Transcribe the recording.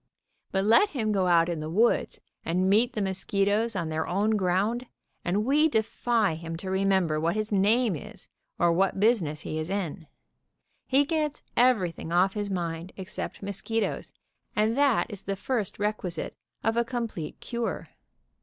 But let him go out in the woods and meet the mosquitoes on their own ground, and we defy him to remember what his name is, or what business he is in. He gets everything off his mind except mosqui . toes, and that is the first requisite of a complete cure.